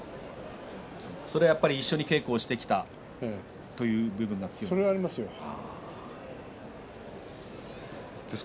それはやっぱり一緒に稽古をしてきたということは強いんですか。